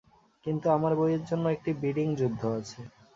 কিন্তু আমার বইয়ের জন্য একটি বিডিং যুদ্ধ আছে।